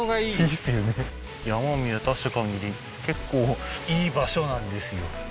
山を見渡したかぎり結構良い場所なんですよ